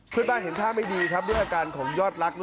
เพื่อนบ้านเห็นท่าไม่ดีครับด้วยอาการของยอดรัก